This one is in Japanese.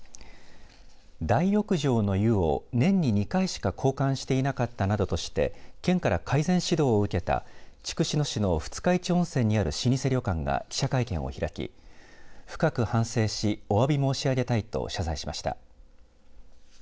大浴場の湯を年に２回しか交換していなかったなどとして県から改善指導を受けた筑紫野市の二日市温泉にある老舗旅館が記者会見を開き深く反省しおわび申し上げたいと謝罪しました。